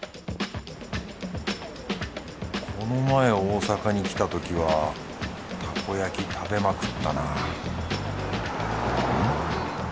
この前大阪に来たときはたこ焼き食べまくったなん？